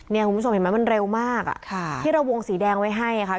เนี่ยคุณผู้ชมเห็นมั้ยมันเร็วมากอะที่เราวงสีแดงไว้ให้ค่ะ